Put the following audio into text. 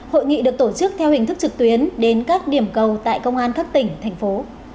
hội nghị được tổ chức theo hình thức trực tuyến đến các điểm cầu tại công an các tỉnh thành phố